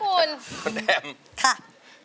คุณแอม